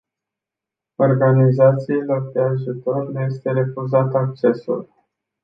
Organizațiilor de ajutor le este refuzat accesul.